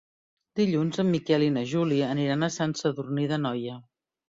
Dilluns en Miquel i na Júlia aniran a Sant Sadurní d'Anoia.